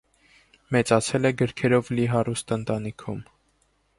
Մեծացել է գրքերով լի հարուստ ընտանիքում։